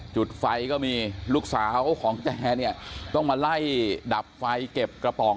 จุดไฟก็มีลูกสาวของแกเนี่ยต้องมาไล่ดับไฟเก็บกระป๋อง